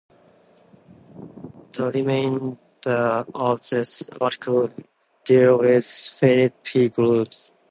The remainder of this article deals with finite "p"-groups.